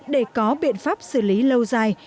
để có biện pháp xử lý lâu dài